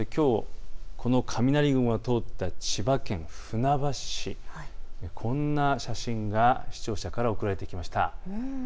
この雷雲が通った千葉県船橋市、こんな写真が視聴者から送られてきました。